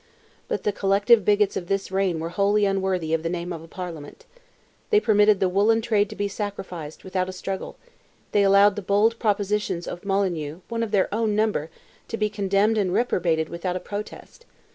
But the collective bigots of this reign were wholly unworthy of the name of a parliament. They permitted the woollen trade to be sacrificed without a struggle,—they allowed the bold propositions of Molyneux, one of their own number, to be condemned and reprobated without a protest.